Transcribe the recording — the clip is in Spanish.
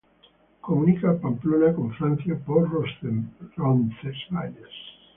Comunica Pamplona con Francia por Roncesvalles.